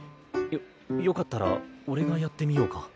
よよかったら俺がやってみようか？